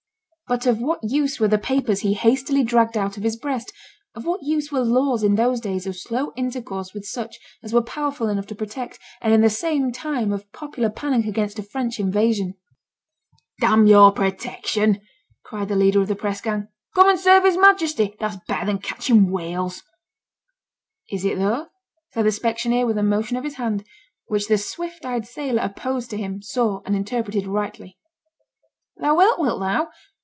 But of what use were the papers he hastily dragged out of his breast; of what use were laws in those days of slow intercourse with such as were powerful enough to protect, and in the time of popular panic against a French invasion? 'D n your protection,' cried the leader of the press gang; 'come and serve his Majesty, that's better than catching whales.' 'Is it though?' said the specksioneer, with a motion of his hand, which the swift eyed sailor opposed to him saw and interpreted rightly. 'Thou wilt, wilt thou?